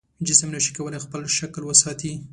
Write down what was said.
جسم نشي کولی خپل شکل وساتي.